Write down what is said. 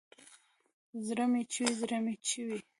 زړه مې چوي ، زړه مې چوي